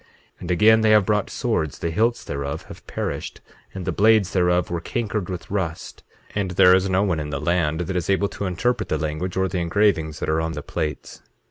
8:11 And again, they have brought swords, the hilts thereof have perished, and the blades thereof were cankered with rust; and there is no one in the land that is able to interpret the language or the engravings that are on the plates.